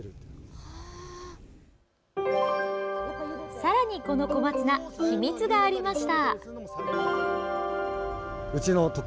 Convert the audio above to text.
さらに、この小松菜秘密がありました。